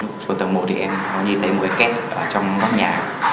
trong tầng một em nhìn thấy một cái két ở trong góc nhà